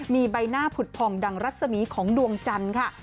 มีใบหน้าผุดผ่องดังรัศมีของดวงจันทร์ค่ะ